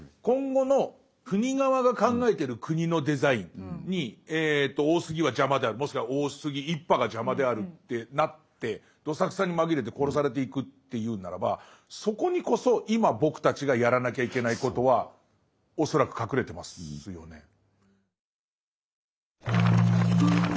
今後の国側が考えてる国のデザインに大杉は邪魔であるもしくは大杉一派が邪魔であるってなってどさくさに紛れて殺されていくっていうならばそこにこそ今僕たちがやらなきゃいけないことは恐らく隠れてますよね。